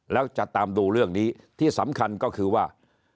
แล้วจะตามดูเรื่องนี้ที่สำคัญก็คือว่า